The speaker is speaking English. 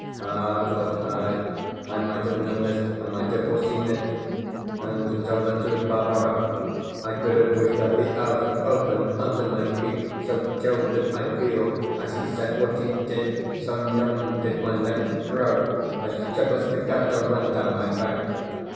"Ah," thought I, "I might have known this I might have foreseen it!" And, to tell the truth, Barbara, I could have wished that the earth had opened under my feet, so chilled did I feel as he said what he did, so numbed did my legs grow as shivers began to run down my back.